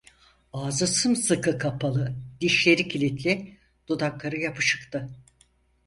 Ağzı sımsıkı kapalı, dişleri kilitli, dudakları yapışıktı.